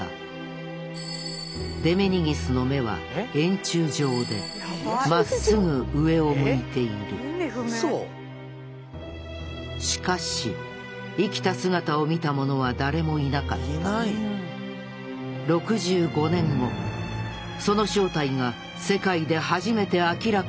デメニギスの目は円柱状でしかし生きた姿を見た者は誰もいなかった６５年後その正体が世界で初めて明らかになった。